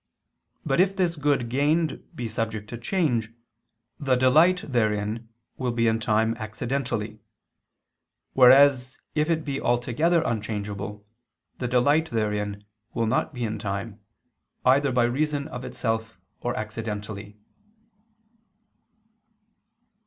But if this good gained be subject to change, the delight therein will be in time accidentally: whereas if it be altogether unchangeable, the delight therein will not be in time, either by reason of itself or accidentally.